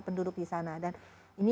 penduduk di sana dan ini